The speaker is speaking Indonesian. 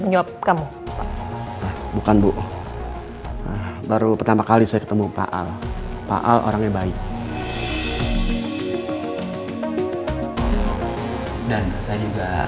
menyebabkan bukan bu baru pertama kali saya ketemu pak al pak al orangnya baik dan saya